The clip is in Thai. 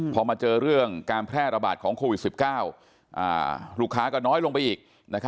พอมาเจอเรื่องการแพร่ระบาดของโควิด๑๙ลูกค้าก็น้อยลงไปอีก